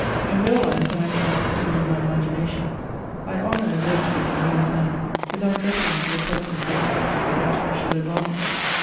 In real life, and, I trust, even in my imagination, I honour a virtuous and wise man, without reference to the presence or absence of artificial advantages.